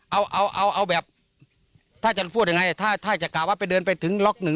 เอาเอาเอาแบบถ้าจะพูดยังไงถ้าจะกล่าวว่าไปเดินไปถึงล็อกหนึ่ง